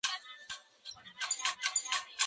En algunos casos, están bajo revisión.